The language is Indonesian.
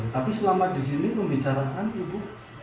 tapi selama disini pembicaraan ibu